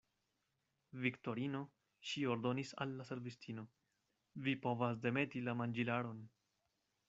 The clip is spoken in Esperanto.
Viktorino, ŝi ordonis al la servistino, vi povas demeti la manĝilaron.